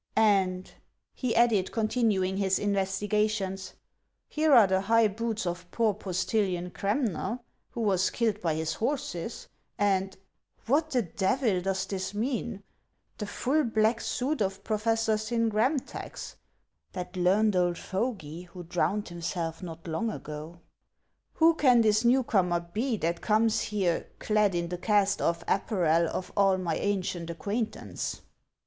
... And," he added, continuing his investigations, " here are the high boots of poor postilion Cramner, who was killed by his horses, and — What the devil does this mean ?— the full black suit of Professor Syngramtax, that learned old fogy, who drowned himself not long ago ! Who can this new comer be that comes here clad in the cast off apparel of all my ancient acquaintance